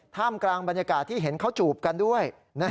กลางบรรยากาศที่เห็นเขาจูบกันด้วย